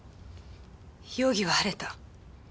容疑は晴れた。